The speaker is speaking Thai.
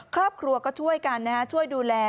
ครอบครัวก็ช่วยกันนะฮะช่วยดูแล